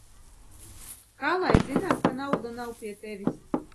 Kā lai zinām, ka nauda nav pie tevis?